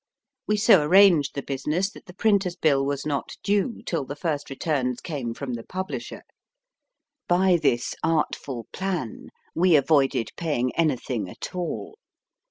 \Ve so arranged the business that the printer s bill was not due till the first returns came from the publisher. By this artful plan we avoided paying any thing at all.